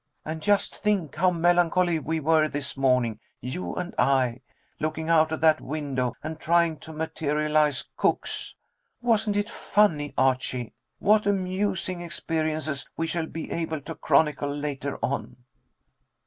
And just think how melancholy we were this morning, you and I, looking out of that window, and trying to materialize cooks. Wasn't it funny, Archie? What amusing experiences we shall be able to chronicle, later on!"